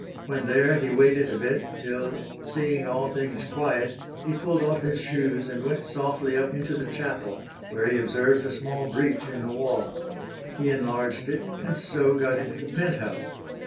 When there he waited a bit, till, seeing "all things quiet," he pulled off his shoes and went softly up into the chapel, where he observed a small breach in the wall. He enlarged it and so got into the penthouse.